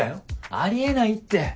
ありえないって。